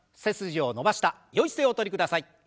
背筋を伸ばしたよい姿勢おとりください。